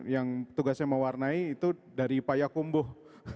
yang tugasnya mewarnai itu dari payakumbuh